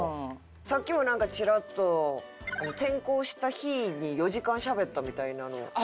さっきもなんかチラッと転校した日に４時間しゃべったみたいなの。